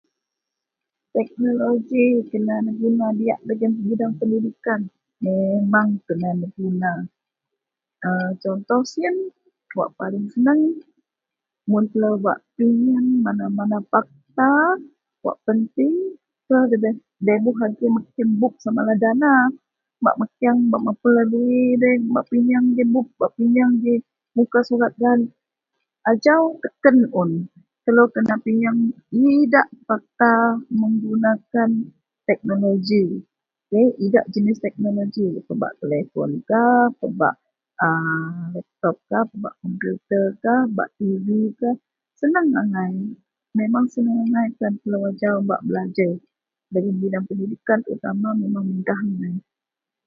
Teknoloji dagen penidikan---Teknoloji dengan guna diak dagen bidang pendidikan, memang penuh brrguna contoh sien yang paling seneang mun telo bak. Pinyeang mana-mana fakta wak penting, telo nda inoh agei mekeang buk samalah dana bak mekeang, mapun library udei bak pinyeang g buk, pinyeang muka surat gaan. Ajau teken un telo kena pinyeang iadak fakta menggunakan teknoloji. Idak jenis teknoloji bak teleponkah, bak laptopkah, komputerkah, tvkah seneang angai. Memang seneang angai tan telo ajau bak belajar. Dalam bidang pendidikkan memudahkan.